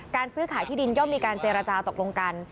ซื้อขายที่ดินย่อมมีการเจรจาตกลงกัน